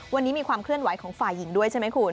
วันนี้มีความเคลื่อนไหวของฝ่ายหญิงด้วยใช่ไหมคุณ